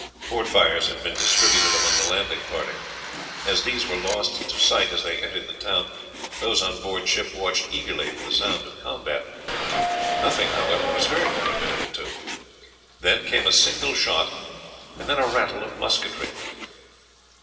Port fires had been distributed among the landing party. As these were lost to sight as they entered the town, those on board ship watched eagerly for the sound of combat. Nothing, however, was heard for a minute or two; then came a single shot, and then a rattle of musketry.